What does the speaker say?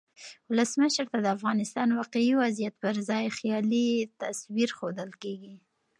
ولسمشر ته د افغانستان واقعي وضعیت پرځای خیالي تصویر ښودل کیږي.